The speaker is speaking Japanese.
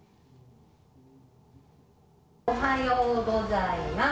おはようございます。